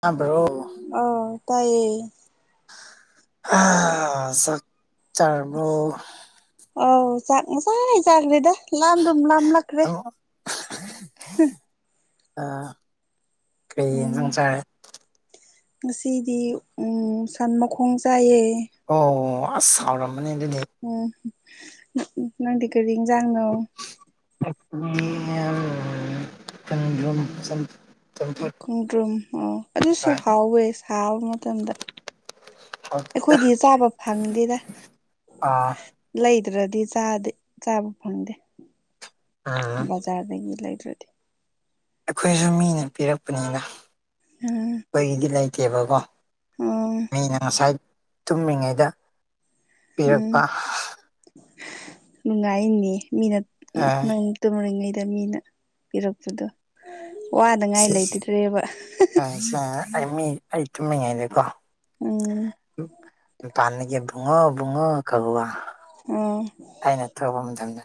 ꯇꯕ꯭ꯔꯣ ꯑꯧ ꯇꯥꯏꯌꯦ ꯍꯥ ꯆꯥꯛ ꯆꯔꯥꯕꯣ ꯑꯧ ꯆꯥꯛ ꯉꯁꯥꯏ ꯆꯥꯈ꯭ꯔꯦꯗ ꯂꯥꯝꯗꯨꯝ ꯂꯥꯝ ꯂꯛꯈ꯭ꯔꯦ ꯑ ꯀꯩ ꯎꯝ ꯏꯟꯖꯥꯡ ꯆꯥꯔꯦ ꯉꯁꯤꯗꯤ ꯎꯝ ꯁꯟ ꯃꯈꯣꯡ ꯆꯥꯏꯌꯦ ꯑꯣ ꯑꯁ ꯁꯥꯎꯔꯝꯃꯅꯤ ꯑꯗꯨꯗꯤ ꯎꯝ ꯅꯪꯗꯤ ꯀꯔꯤ ꯏꯟꯖꯥꯡꯅꯣ [unintelligible] ꯈꯣꯡꯗ꯭ꯔꯨꯝ ꯑꯣ ꯑꯗꯨꯁꯨ ꯆꯥꯏ꯫ ꯍꯥꯎꯋꯦ ꯁꯥꯕ ꯃꯇꯝꯗ ꯍꯥꯎꯇꯦꯗ꯫ ꯑꯩꯈꯣꯏꯗꯤ ꯆꯥꯕ ꯐꯪꯗꯦꯗ ꯑꯥ ꯂꯩꯗ꯭ꯔꯗꯤ ꯆꯥꯗꯦ ꯆꯥꯕ ꯐꯪꯗꯦ ꯎꯝ ꯕꯖꯥꯔꯗꯒꯤ ꯂꯩꯗ꯭ꯔꯗꯤ ꯑꯩꯈꯣꯏꯁꯨ ꯃꯤꯅ ꯄꯤꯔꯛꯄꯅꯤꯅ ꯎꯝ ꯑꯩꯈꯣꯏꯒꯤꯗꯤ ꯂꯩꯇꯦꯕꯀꯣ ꯑꯣ ꯑꯩꯅ ꯉꯁꯥꯏ ꯇꯨꯝꯃꯤꯉꯩꯗ ꯎꯝ ꯄꯤꯔꯛꯄ ꯅꯨꯡꯉꯥꯏꯅꯤ ꯃꯤꯅ ꯅꯪ ꯇꯨꯝꯔꯤꯉꯩꯗ ꯃꯤꯅ ꯄꯤꯔꯛꯄꯗꯣ ꯋꯥꯅꯉꯥꯏ ꯂꯩꯇꯔꯦꯕ ꯆꯥ ꯑꯩ ꯃꯤ ꯑꯩ ꯇꯨꯝꯃꯤꯉꯩꯗꯀꯣ ꯎꯝ ꯎ ꯃꯄꯥꯟꯗꯒꯤ ꯕꯨꯡꯉꯣ ꯕꯨꯡꯉꯣ ꯀꯧꯕꯥ ꯎꯝ ꯍꯥꯏꯅ ꯊꯣꯛꯄ ꯃꯇꯝꯗ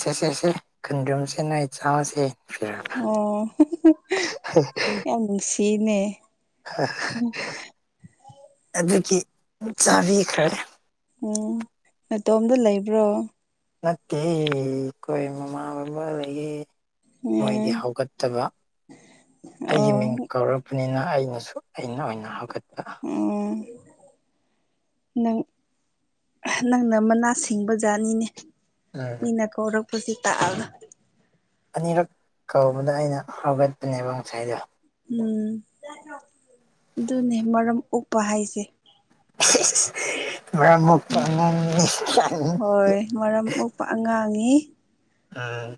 ꯁꯦ ꯁꯦ ꯁꯦ ꯈꯨꯟꯗ꯭ꯔꯨꯝꯁꯦ ꯅꯣꯏ ꯆꯥꯁꯦ ꯑꯣ ꯌꯥꯝ ꯅꯨꯡꯁꯤꯅꯦ ꯍꯥ ꯑꯗꯨꯒꯤ ꯆꯥꯕꯤꯈ꯭ꯔꯦ ꯎꯝ ꯅꯇꯣꯝꯗ ꯂꯩꯕ꯭ꯔꯣ ꯅꯠꯇꯦꯍꯦ ꯑꯩꯈꯣꯏ ꯃꯃꯥ ꯕꯕꯥ ꯂꯩꯌꯦ ꯃꯣꯏꯗꯤ ꯎꯝ ꯍꯧꯒꯠꯇꯕ ꯑꯩꯒꯤ ꯑꯣ ꯃꯤꯡ ꯀꯧꯔꯄ ꯄꯅꯤꯅ ꯑꯩꯅꯁꯨ ꯑꯩꯅ ꯑꯣꯏꯅ ꯍꯧꯒꯠꯄ ꯎꯝ ꯅꯪ ꯅꯪꯅ ꯃꯅꯥ ꯁꯤꯡꯕ ꯖꯥꯠꯅꯤꯅꯦ ꯎꯝ ꯃꯤꯅ ꯀꯧꯔꯛꯄꯁꯤ ꯇꯥꯛꯑꯒ ꯑꯅꯤꯔꯛ ꯀꯧꯕꯗ ꯑꯩꯅ ꯍꯥꯒꯠꯄꯅꯦꯕ ꯉꯁꯥꯏꯗꯣ ꯎꯝ ꯑꯗꯨꯅꯦ ꯃꯔꯝ ꯑꯣꯛꯄ ꯍꯥꯏꯁꯦ ꯏꯁ ꯏꯁ ꯏꯁ ꯃꯔꯝ ꯃꯣꯛꯄ ꯑꯉꯥꯡꯅꯤ [unintelligible] ꯍꯣꯏ ꯃꯔꯝ ꯃꯣꯛꯄ ꯑꯉꯥꯡꯅꯤ ꯑꯥ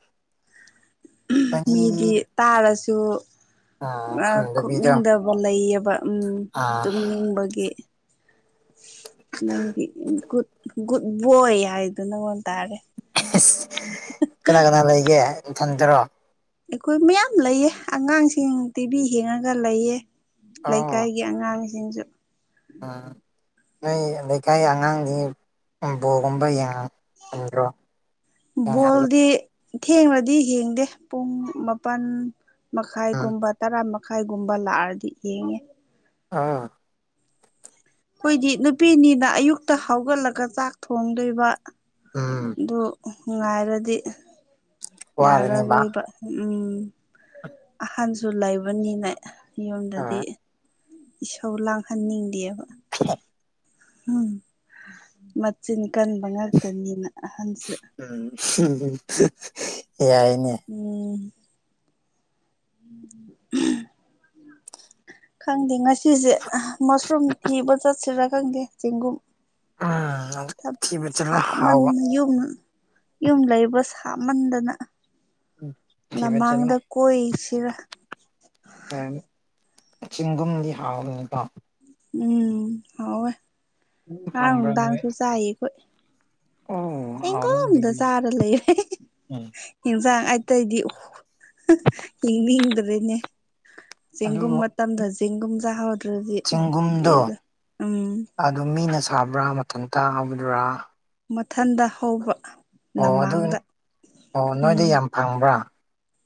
ꯃꯤꯗꯤ ꯇꯥꯔꯁꯨ ꯑꯥ ꯈꯨꯝꯗꯕꯤꯗꯣ ꯈꯣꯞꯅꯤꯡꯗꯕ ꯂꯩꯌꯦꯕ ꯎꯝ ꯑꯥ ꯇꯨꯝꯅꯤꯡꯕꯒꯤ ꯅꯪꯗꯤ ꯒꯨꯠ ꯒꯨꯠ ꯕꯣꯢ ꯍꯥꯏꯗꯨꯅꯪꯉꯣꯟ ꯏꯁ ꯀꯅꯥ ꯀꯅꯥ ꯂꯩꯒꯦ ꯏꯊꯟꯇꯥꯔꯣ ꯑꯩꯈꯣꯏ ꯃꯌꯥꯝ ꯂꯩꯌꯦ ꯑꯉꯥꯡꯁꯤꯡ ꯇꯤꯚꯤ ꯌꯦꯡꯉꯒ ꯂꯩꯌꯦ ꯑꯣ ꯂꯩꯀꯥꯏꯒꯤ ꯑꯩ ꯑꯉꯥꯡꯁꯤꯡꯁꯨ ꯎꯝ ꯅꯣꯏ ꯂꯩꯀꯥꯏ ꯑꯉꯥꯡꯗꯤ ꯕꯣꯔꯒꯨꯝꯕ ꯌꯦꯡꯉ ꯕꯣꯜꯗꯤ ꯊꯦꯡꯔꯗꯤ ꯌꯦꯡꯗꯦ ꯄꯨꯡ ꯃꯥꯄꯜ ꯎꯝ ꯃꯈꯥꯏꯒꯨꯝꯕ ꯇꯔꯥ ꯃꯈꯥꯏꯒꯨꯝꯕ ꯂꯥꯛꯑꯗꯤ ꯌꯦꯡꯉꯦ ꯑꯥ ꯑꯩꯈꯣꯏꯗꯤ ꯅꯨꯄꯤꯅꯤꯅ ꯑꯌꯨꯛꯇ ꯍꯧꯒꯠꯂꯒ ꯆꯥꯛ ꯊꯣꯡꯗꯣꯏꯕ ꯎꯝ ꯑꯗꯨ ꯉꯥꯏꯔꯗꯤ ꯋꯥꯔꯅꯤꯕ ꯌꯥꯔꯒꯣꯏꯕ ꯎꯝ ꯑꯍꯟꯁꯨ ꯂꯩꯕꯅꯤꯅꯦ ꯌꯨꯝꯗꯗꯤ ꯎꯝ ꯏꯁꯥꯎ ꯂꯥꯡꯍꯟꯅꯤꯡꯗꯦꯕ [unintelligible] ꯎꯝ ꯃꯆꯤꯟ ꯀꯟꯕ ꯉꯥꯛꯇꯅꯤꯅ ꯑꯍꯟꯁꯨ ꯎꯝ ꯌꯥꯏꯅꯦ ꯎꯝ [unintelligible] ꯈꯪꯗꯦ ꯉꯁꯤꯁꯦ ꯃꯁꯔꯨꯝ ꯊꯤꯕ ꯆꯠꯁꯤꯔꯥ ꯈꯪꯗꯦ ꯆꯦꯡꯒꯨꯝ ꯑꯥ ꯁꯥꯃꯟ ꯌꯨꯝ ꯌꯨꯝ ꯂꯩꯕ ꯁꯥꯃꯟꯗꯅ [inaudible] ꯆꯠꯂꯣ ꯂꯝꯍꯥꯡꯗ ꯀꯣꯏꯁꯤꯔꯥ ꯍꯣꯏ ꯆꯤꯡꯒꯨꯝꯗꯤ ꯍꯥꯎꯕꯅꯤꯀꯣ ꯎꯝ ꯍꯥꯎꯋꯦ ꯉꯔꯥꯡ ꯐꯪꯕ꯭ꯔꯥ ꯅꯣꯏ ꯅꯨꯡꯗꯥꯡꯁꯨ ꯆꯥꯏ ꯑꯩꯈꯣꯏ ꯑꯣ ꯍꯥꯎꯅꯤ ꯆꯦꯡꯒꯨꯝꯗ ꯑꯗꯨꯗꯤ ꯆꯥꯔ ꯂꯩꯔꯦ ꯎꯝ ꯏꯟꯁꯥꯡ ꯑꯇꯩꯗꯤ ꯌꯦꯡꯅꯤꯡꯗ꯭ꯔꯦꯅꯦ ꯑꯗꯨ ꯆꯦꯡꯒꯨꯝ ꯃꯇꯝꯗ ꯆꯦꯡꯒꯨꯝ ꯆꯥꯍꯧ ꯆꯦꯡꯒꯨꯝꯗꯣ ꯑꯗꯨ ꯃꯤꯅ ꯁꯥꯕ꯭ꯔꯥ ꯃꯊꯟꯇꯥ ꯍꯧꯕꯗꯨꯔꯥ ꯃꯊꯟꯗ ꯍꯧꯕ ꯑꯣ ꯑꯗꯨ ꯂꯝꯃꯥꯡꯗ ꯑꯣ ꯅꯣꯏꯗꯤ ꯎꯝ ꯌꯥꯝ ꯐꯪꯕ꯭ꯔꯥ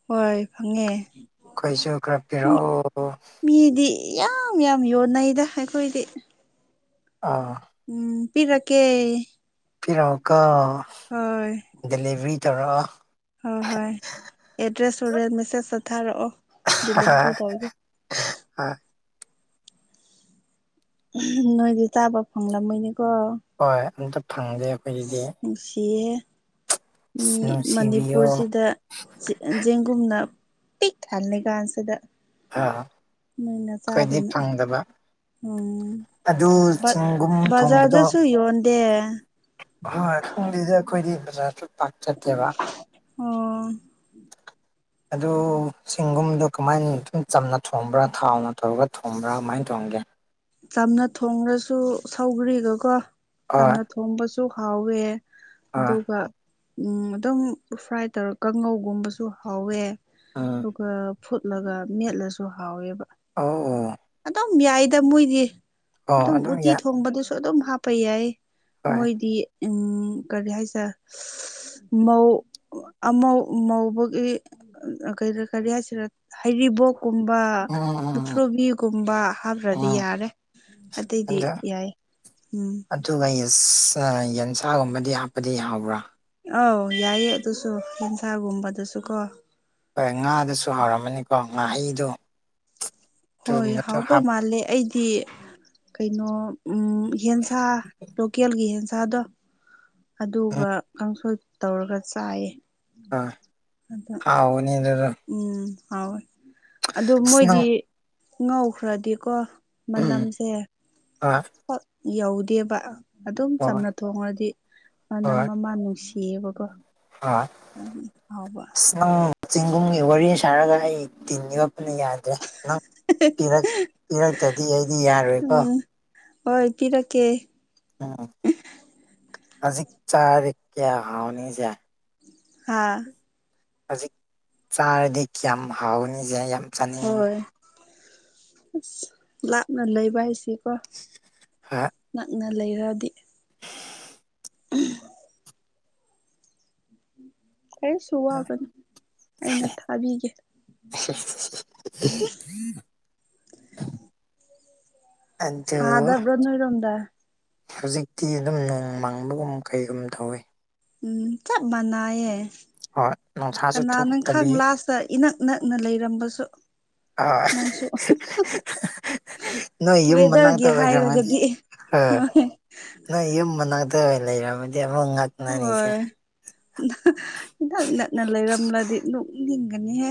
ꯍꯣꯏ ꯐꯪꯉꯦ ꯑꯈꯣꯏꯁꯨ ꯈꯔ ꯄꯤꯔꯛꯑꯣ ꯃꯤꯗꯤ ꯌꯥꯝ ꯌꯥꯝ ꯌꯣꯟꯅꯩꯗ ꯑꯩꯈꯣꯏꯗꯤ ꯑꯥꯎ ꯎꯝ ꯄꯤꯔꯛꯀꯦ ꯄꯤꯔꯣ ꯀꯣ ꯍꯣꯏ ꯗꯦꯂꯤꯚꯔꯤ ꯇꯧꯔꯛꯑꯣ ꯍꯣꯏ ꯍꯣꯏ ꯑꯦꯗ꯭ꯔꯦꯁ ꯍꯨꯔꯦꯟ ꯃꯦꯁꯦꯖꯇ ꯊꯥꯔꯛꯑꯣ ꯗꯤꯂꯤꯕꯔꯤ ꯇꯧꯒꯦ ꯅꯣꯏꯗꯤ ꯆꯕ ꯐꯪꯂꯝꯃꯣꯏꯅꯤ ꯀꯣ ꯍꯣꯏ ꯑꯝꯇ ꯐꯪꯗꯦ ꯑꯩꯈꯣꯏꯒꯤꯗꯤ ꯁꯤꯌꯦ ꯑꯁ ꯃꯤ ꯅꯨꯡꯁꯤꯕꯤꯌꯣ ꯑꯥ ꯃꯅꯤꯄꯨꯔꯁꯤꯗ ꯆꯦꯡꯒꯨꯝꯅ ꯄꯤꯛ ꯊꯜꯂꯤ ꯀꯥꯟꯁꯤꯗ ꯑꯥ ꯅꯣꯏꯅ ꯑꯩꯈꯏꯗꯤ ꯆꯥꯗꯅ ꯐꯪꯗꯕ ꯎꯝ ꯑꯗꯨ ꯕꯠ ꯆꯤꯡꯒꯨꯝ ꯊꯣꯡꯕꯗꯣ ꯕꯖꯥꯔꯗꯁꯨ ꯌꯣꯟꯗꯦ ꯍꯣꯏ ꯈꯪꯗꯦꯗ ꯑꯩꯈꯣꯏꯗꯤ ꯕꯖꯥꯔꯁꯨ ꯄꯥꯛ ꯆꯠꯇꯦꯕ ꯑꯣ ꯑꯗꯨ ꯆꯤꯡꯒꯨꯝꯗꯣ ꯀꯃꯥꯏꯅ ꯁꯨꯝ ꯆꯝꯅ ꯊꯣꯝꯕ꯭ꯔꯥ ꯊꯥꯎꯅ ꯇꯧꯔꯒ ꯊꯣꯝꯕ꯭ꯔꯥ ꯀꯃꯥꯏꯅ ꯊꯣꯡꯒꯦ ꯆꯝꯅ ꯊꯣꯡꯉꯁꯨ ꯁꯧꯒ꯭ꯔꯤꯒꯀꯣ ꯍꯣꯏ ꯆꯝꯅ ꯊꯣꯡꯕꯁꯨ ꯍꯥꯎꯋꯦ ꯍꯣꯏ ꯑꯗꯨꯒ ꯎꯝ ꯑꯗꯨꯝ ꯐ꯭ꯔꯥꯏ ꯇꯧꯔ ꯀꯥꯡꯉꯧꯒꯨꯝꯕꯁꯨ ꯍꯥꯎꯋꯦ ꯑ ꯑꯗꯨꯒ ꯐꯨꯠꯂꯒ ꯃꯦꯠꯂꯁꯨ ꯍꯥꯎꯋꯦꯕ ꯑꯣ ꯑꯗꯨꯝ ꯌꯥꯏꯗ ꯃꯣꯏꯗꯤ ꯑꯣ ꯑꯗꯨꯝ ꯎꯇꯤ ꯌꯥꯏ ꯊꯣꯡꯕꯗꯨꯁꯨ ꯑꯗꯨꯝ ꯍꯥꯞꯄ ꯌꯥꯏ ꯍꯣꯏ ꯃꯣꯏꯗꯤ ꯎꯝ ꯀꯔꯤ ꯍꯥꯏꯁꯦꯔ ꯃꯧ ꯑꯃꯧ ꯃꯧꯕꯒꯤ ꯀꯔꯤ ꯍꯥꯏꯁꯤꯔ ꯍꯩꯔꯤꯕꯣꯛ ꯀꯨꯝꯕ ꯎꯝ ꯎꯝ ꯎꯝ ꯃꯨꯊ꯭ꯔꯨꯕꯤ ꯒꯨꯝꯕ ꯍꯥꯞꯄ꯭ꯔꯗꯤ ꯎꯝ ꯌꯥꯔꯦ ꯑꯇꯩꯗꯤ ꯑꯗ ꯌꯥꯏ ꯎꯝ ꯑꯗꯨꯒ ꯌꯦꯁ ꯑ ꯌꯦꯟꯁꯥꯡ ꯑꯃꯗꯤ ꯍꯥꯞꯄꯗꯤ ꯌꯥꯎꯕ꯭ꯔꯥ ꯑꯧ ꯌꯥꯏꯌꯦ ꯑꯗꯨꯁꯨ ꯌꯦꯟꯁꯥꯒꯨꯝꯕꯗꯨꯁꯨ ꯀꯣ ꯍꯣꯏ ꯉꯥꯗꯨꯁꯨ ꯍꯥꯎꯔꯝꯃꯅꯤꯀꯣ ꯉꯥꯍꯩꯗꯣ ꯍꯣꯏ ꯍꯥꯎ ꯑꯗꯨꯒꯨꯝꯕꯗꯣ ꯗꯧ ꯍꯥꯞ ꯃꯥꯜꯂꯦ ꯑꯩ ꯗꯤ ꯀꯩꯅꯣ ꯎꯝ ꯌꯦꯟꯁꯥ ꯂꯣꯀꯦꯜꯒꯤ ꯌꯦꯟꯁꯥꯗꯣ ꯎꯝ ꯑꯗꯨꯒ ꯀꯥꯡꯁꯣꯏ ꯇꯧꯔꯒ ꯆꯥꯏꯌꯦ ꯑ ꯑꯗ ꯍꯥꯎꯒꯅꯤ ꯑꯗꯨꯗꯣ ꯎꯝ ꯍꯥꯎꯋꯦ ꯑꯗꯣ ꯑꯁ ꯅꯪ ꯃꯣꯏꯗꯤ ꯉꯧꯈ꯭ꯔꯗꯤꯀꯣ ꯎꯝ ꯃꯅꯝꯁꯦ ꯑꯣꯢ ꯌꯧꯗꯦꯕ ꯑꯗꯨꯝ ꯍꯣꯏ ꯆꯝꯅ ꯊꯣꯡꯔꯗꯤ ꯃꯅꯝ ꯑꯃ ꯅꯨꯡꯁꯤ ꯢꯌꯦꯕ ꯀꯣ ꯑ [unintelligible] [unintelligible] ꯍꯥꯎꯕ ꯑꯁ ꯅꯪ ꯆꯤꯡꯒꯨꯝꯒꯤ ꯋꯥꯔꯤ ꯁꯥꯔꯒ ꯑꯩ ꯇꯤꯟ ꯌꯣꯠꯄꯅ ꯌꯥꯗ꯭ꯔꯦ ꯅꯪ ꯄꯤꯔꯛ ꯄꯤꯔꯛꯇꯗꯤ ꯑꯩꯗꯤ ꯌꯥꯔꯣꯏꯀꯣ ꯎꯝ ꯍꯣꯏ ꯄꯤꯔꯛꯀꯦ ꯎꯝ ꯍꯖꯤꯛ ꯆꯥꯔꯗꯤ ꯀꯌꯥ ꯍꯥꯎꯅꯤꯖꯦ ꯍꯥꯥ ꯍꯧꯖꯤꯛ ꯆꯥꯔꯗꯤ ꯀꯌꯥꯝ ꯍꯥꯎꯒꯅꯤꯁꯦ ꯌꯥꯝ ꯆꯥꯅꯤꯡꯕ ꯍꯣꯏ ꯑꯁ ꯂꯥꯞꯅ ꯂꯩꯕ ꯍꯥꯏꯁꯤꯀꯣ ꯍꯥ ꯅꯛꯅ ꯂꯩꯔꯗꯤ ꯀꯔꯤꯁꯨ ꯋꯥꯒꯅꯨ ꯑꯩꯅ ꯊꯥꯕꯤꯒꯦ [unintelligible] ꯑꯗꯣ ꯁꯥꯗꯕ꯭ꯔꯥ ꯅꯣꯏꯔꯣꯝꯗ ꯍꯧꯖꯤꯛꯇꯤ ꯑꯗꯨꯝ ꯅꯣꯡ ꯃꯥꯡꯕꯒꯨꯝ ꯀꯩꯒꯨꯝ ꯇꯧꯋꯤ ꯎꯝ ꯆꯞ ꯃꯅꯥꯏꯌꯦ ꯍꯣꯏ ꯅꯣꯡꯁꯥ ꯀꯅꯥꯅ ꯈꯪ ꯂꯥꯁꯇ ꯏꯅꯛ ꯅꯛꯅ ꯂꯩꯔꯝꯕꯁꯨ ꯅꯪꯁꯨ ꯅꯣꯏ [unintelligible] ꯌꯨꯝ ꯃꯅꯥꯛꯇ ꯋꯦꯗꯔꯒꯤ ꯑꯣꯏꯔꯝꯃꯗꯤ ꯍꯥꯏꯔꯒꯗꯤ ꯍꯣꯏ ꯅꯣꯏ ꯌꯨꯝ ꯃꯅꯥꯛꯇ ꯂꯩꯔꯝꯃꯗꯤ ꯑꯃꯨꯛ ꯉꯛ ꯍꯣꯏ ꯏꯅꯛ ꯅꯛꯅ ꯂꯩꯔꯝꯂꯗꯤ ꯅꯣꯛꯅꯤꯡꯒꯅꯤꯍꯦ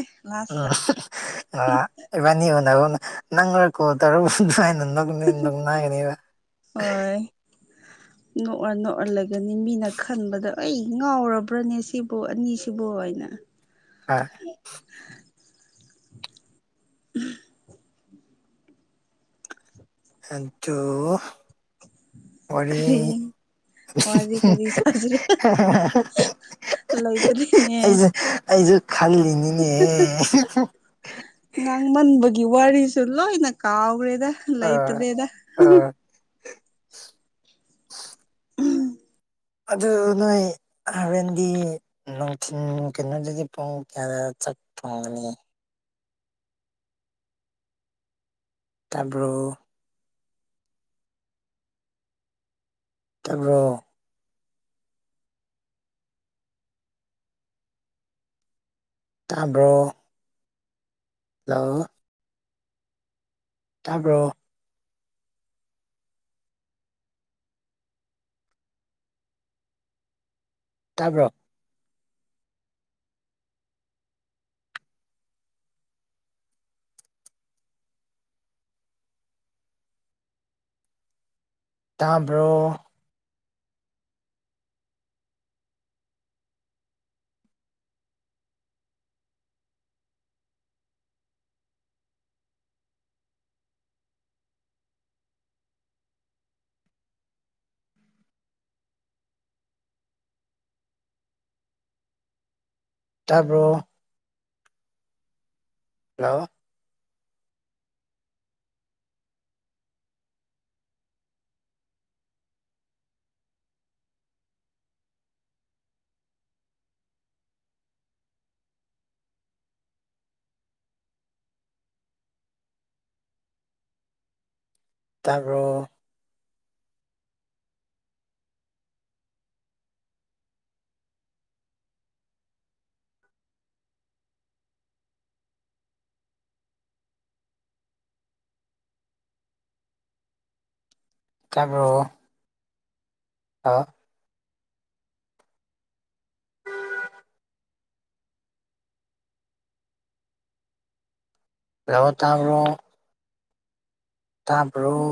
ꯎꯝ ꯂꯥꯁꯇ [unintelligible] ꯑ ꯏꯕꯥꯅꯤ ꯎꯕꯅꯕꯅ ꯅꯪꯔ ꯀꯣꯜ ꯇꯧꯔꯛ [unintelligible] ꯍꯥꯏꯅ ꯅꯣꯛꯅꯤꯡ ꯅꯨꯉꯥꯏꯒꯅꯤꯗ ꯍꯣꯏ [unintelligible] ꯅꯣꯛꯔ ꯅꯣꯛꯔ ꯂꯩꯒꯅꯤ ꯃꯤꯅ ꯈꯟꯕꯗ ꯑꯩ ꯉꯥꯎꯔꯕ꯭ꯔꯅꯦ ꯁꯤꯕꯨ ꯑꯅꯤꯁꯤꯕꯨ ꯑꯣꯏꯅ ꯍꯣꯏ [unintelligible] ꯑꯗꯣ ꯋꯥꯔꯤ ꯀꯔꯤ ꯋꯥꯔꯤ [unintelligible] ꯀꯔꯤ ꯁꯥꯖꯤ ꯂꯩꯇ꯭ꯔꯦꯅꯦ ꯑꯩꯁꯦ ꯑꯩꯁꯨ ꯈꯜꯂꯤꯅꯤ ꯉꯥꯡꯃꯟꯕꯒꯤ ꯋꯥꯔꯤꯁꯨ ꯂꯣꯏꯅ ꯀꯥꯎꯈ꯭ꯔꯦꯗ ꯂꯩꯇꯔꯦꯗ ꯑꯗꯨ ꯅꯣꯏ ꯍꯣꯔꯦꯟꯗꯤ ꯅꯨꯡꯊꯤꯟꯜ ꯀꯩꯅꯣꯗꯗꯤ ꯄꯨꯡ ꯀꯌꯥꯗ ꯆꯥꯛ ꯐꯪꯒꯅꯤ ꯇꯥꯔꯕ꯭ꯔꯣ ꯇꯕ꯭ꯔꯣ ꯇꯥꯕ꯭ꯔꯣ ꯍꯜꯂꯣ ꯇꯥꯕ꯭ꯔꯣ ꯇꯥꯕ꯭ꯔꯣ ꯇꯥꯝꯕ꯭ꯔꯣ ꯇꯥꯔꯕꯣ ꯍꯜꯂꯣ ꯇꯥꯔꯕꯣ ꯇꯥꯔꯕꯣ ꯍꯥꯥ ꯍꯜꯂꯣ ꯇꯥꯕ꯭ꯔꯣ ꯇꯥꯕꯔꯣ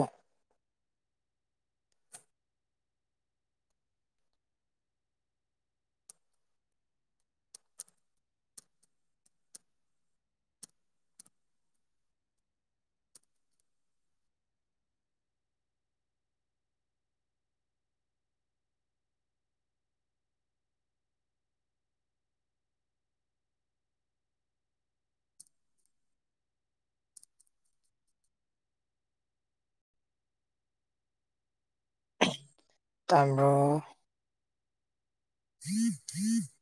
ꯇꯥꯕꯔꯣ [inaudible]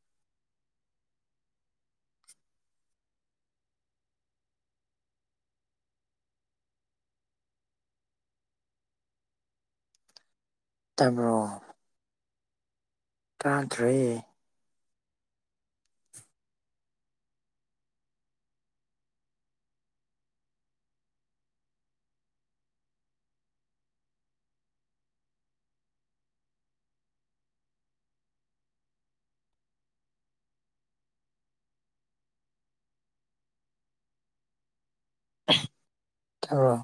ꯇꯥꯕꯔꯣ ꯇꯥꯗ꯭ꯔꯦ ꯑꯣ